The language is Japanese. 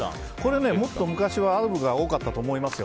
もっと昔はあるが多かったと思いますよ。